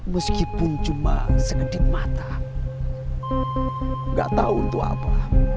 meskipun cuma segenting mata gak tahu untuk apa